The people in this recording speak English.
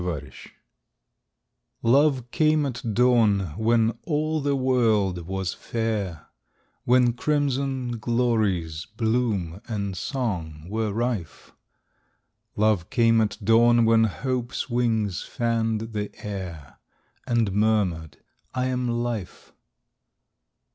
Love Love came at dawn when all the world was fair, When crimson glories, bloom, and song were rife; Love came at dawn when hope's wings fanned the air, And murmured, "I am life."